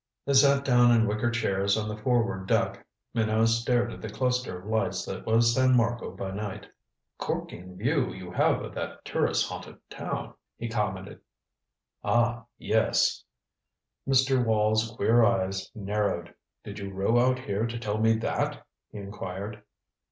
They sat down in wicker chairs on the forward deck. Minot stared at the cluster of lights that was San Marco by night. "Corking view you have of that tourist haunted town," he commented. "Ah yes," Mr. Wall's queer eyes narrowed. "Did you row out here to tell me that?" he inquired.